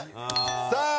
さあ